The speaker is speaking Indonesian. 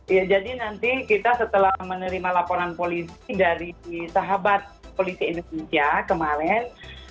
ya jadi nanti kita setelah menerima laporan polisi dari sahabat polisi indonesia kemarin